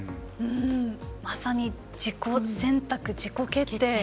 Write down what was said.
まさに自己選択、自己決定。